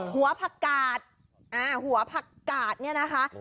หัวผักกาดหัวผักกาดเนี่ยนะคะ